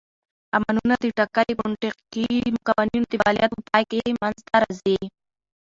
امونونه د ټاکلو فونیټیکښي قوانینو د فعالیت په پای کښي منځ ته راځي.